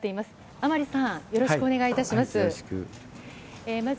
甘利さん、よろしくお願いいたします。